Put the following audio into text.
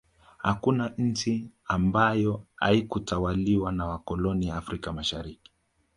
hakuna nchi ambayo haikutawaliwa na wakoloni afrika mashariki